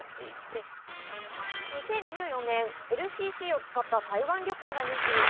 ２０１４年、ＬＣＣを使った台湾旅行が人気に。